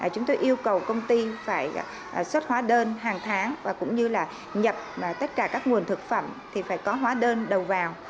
chúng tôi yêu cầu công ty phải xuất hóa đơn hàng tháng và cũng như là nhập tất cả các nguồn thực phẩm thì phải có hóa đơn đầu vào